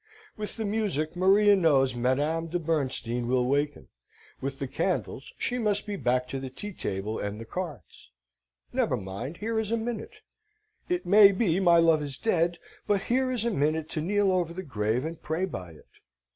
With the music Maria knows Madame de Bernstein will waken: with the candles she must be back to the tea table and the cards. Never mind. Here is a minute. It may be my love is dead, but here is a minute to kneel over the grave and pray by it.